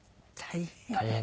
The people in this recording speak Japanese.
大変。